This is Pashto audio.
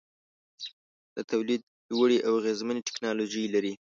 د تولید لوړې او اغیزمنې ټیکنالوجۍ لري.